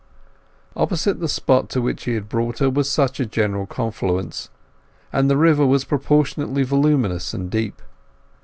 Opposite the spot to which he had brought her was such a general confluence, and the river was proportionately voluminous and deep.